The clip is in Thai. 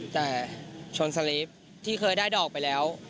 แต่ชนสลิปที่เคยได้ดอกไปแล้ว